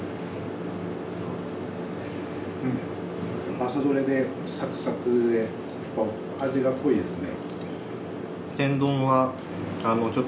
朝採れでサクサクで味が濃いですね。